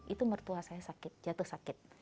itu mertua saya sakit jatuh sakit